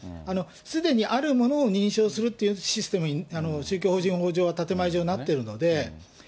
すでにあるものを認証するっていうシステムに、宗教法人上は建前上なってるので。